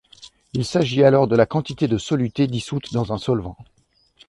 Il s'agit alors de la quantité de soluté dissoute dans un solvant.